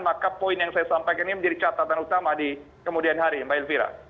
maka poin yang saya sampaikan ini menjadi catatan utama di kemudian hari mbak elvira